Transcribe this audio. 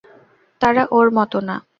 তারা ওর মতো না।